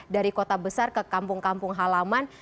dari kota besar ke kampung kampung halaman